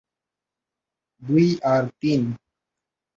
দুই আর তিন।